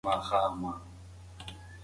که مډیګا تازه نه وي، خوند یې کم وي.